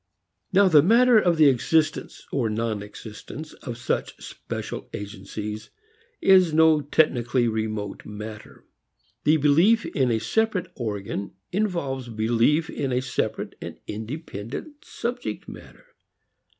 Now the matter of the existence or non existence of such special agencies is no technically remote matter. The belief in a separate organ involves belief in a separate and independent subject matter.